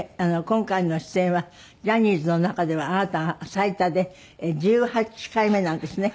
今回の出演はジャニーズの中ではあなたが最多で１８回目なんですね。